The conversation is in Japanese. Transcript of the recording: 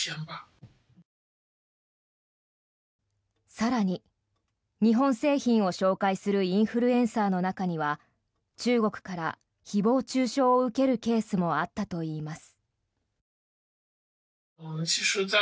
更に、日本製品を紹介するインフルエンサーの中には中国から誹謗・中傷を受けるケースもあったといいます。